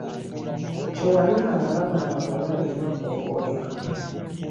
Kye walyanga bagamba bw'olaba ennaku ng'oleka.